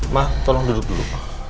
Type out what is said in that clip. ma tolong duduk dulu